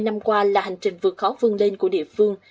hai mươi năm qua là hành trình vượt khó vương lên của địa phương